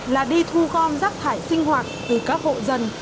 là đi thu gom rác thải sinh hoạt từ các hộ dân